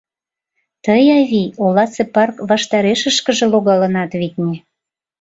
— Тый, авий, оласе парк ваштарешышкыже логалынат, витне.